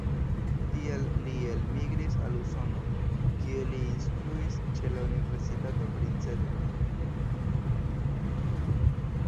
Tial li elmigris al Usono, kie li instruis ĉe la universitato Princeton.